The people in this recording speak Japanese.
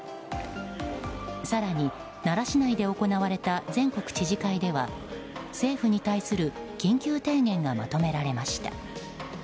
更に、奈良市内で行われた全国知事会では政府に対する緊急提言がまとめられました。